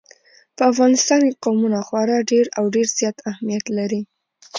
په افغانستان کې قومونه خورا ډېر او ډېر زیات اهمیت لري.